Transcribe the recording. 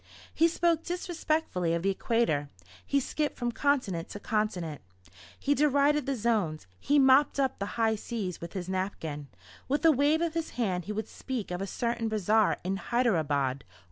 He spoke disrespectfully of the equator, he skipped from continent to continent, he derided the zones, he mopped up the high seas with his napkin. With a wave of his hand he would speak of a certain bazaar in Hyderabad.